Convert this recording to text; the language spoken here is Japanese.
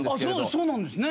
そうなんですね。